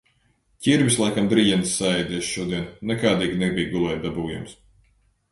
Ķirbis laikam driģenes saēdies šodien, nekādīgi nebija gulēt dabūjams.